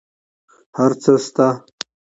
هر څه شته